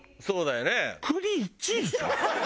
そうだね。